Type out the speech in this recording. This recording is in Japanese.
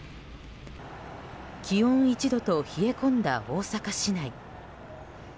気温１度と冷え込んだ大阪市内。